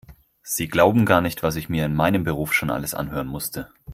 Sie glauben gar nicht, was ich mir in meinem Beruf schon alles anhören musste.